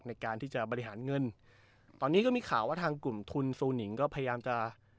ในการที่จะบริหารเงินตอนนี้ก็มีข่าวว่าทางกลุ่มทุนซูนิงก็พยายามจะ